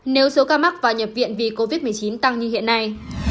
nếu số ca mắc và nhập viện vì covid một mươi chín tăng như hiện nay